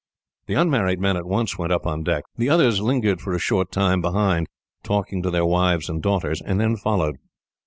The unmarried men at once went up on deck. The others lingered for a short time behind, talking to their wives and daughters, and then followed.